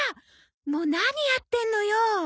もう何やってんのよ。